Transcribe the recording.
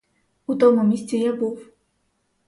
У тому місці я був.